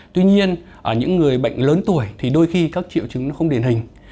tuy nhiên ở những người bệnh lớn tuổi thì đôi khi các triệu chứng nó không điển hình